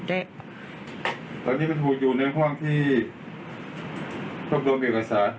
ตอนนี้มันถูกอยู่ในห้องที่รวบรวมเอกสาร